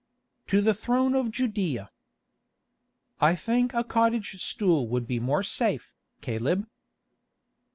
"To the throne of Judæa." "I think a cottage stool would be more safe, Caleb."